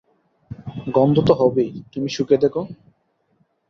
গন্ধ তো হবেই-তুমি শুঁকে দেখ।